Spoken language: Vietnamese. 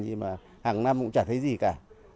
nhưng mà hàng năm cũng chả thấy gì cả